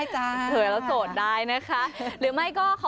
เหลือสนอดก็ได้ค่ะ